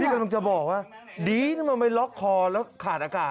กำลังจะบอกว่าดีนะมันไปล็อกคอแล้วขาดอากาศ